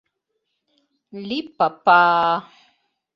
«Ли-па-па-па!